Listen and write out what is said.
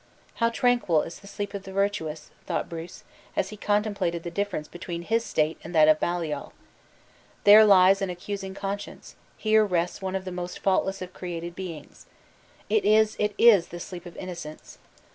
"How tranquil is the sleep of the virtuous!" thought Bruce, as he contemplated the difference between his state and that of Baliol; "there lies an accusing conscience; here rests one of the most faultless of created beings. It is, it is the sleep of innocence!